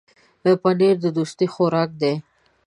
پنېر د دوستۍ خوراک دی.